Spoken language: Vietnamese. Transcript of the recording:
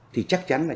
thì chắc chắn là